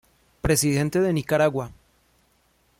Presidente de Nicaragua.